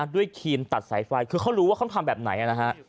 ครีมตัดสายไฟคือเขารู้ว่าเขาทำแบบไหนนะฮะ